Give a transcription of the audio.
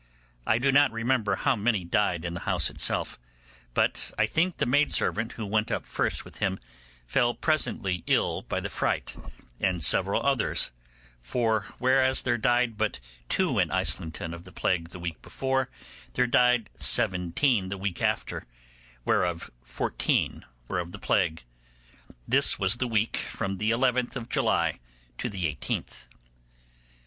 I do not remember how many died in the house itself, but I think the maid servant who went up first with him fell presently ill by the fright, and several others; for, whereas there died but two in Islington of the plague the week before, there died seventeen the week after, whereof fourteen were of the plague. This was in the week from the 11th of July to the 18th.